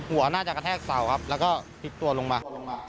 หัวน่าจะกระแทกเสาครับแล้วก็พลิกตัวลงมา